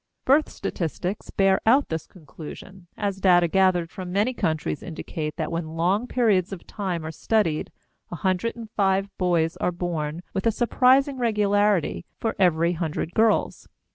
Birth statistics bear out this conclusion, as data gathered from many countries indicate that when long periods of time are studied 105 boys are born with a surprising regularity for every 100 girls.